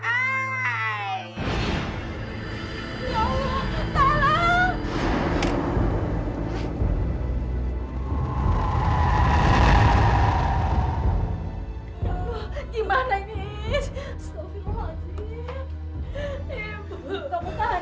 ya allah tolong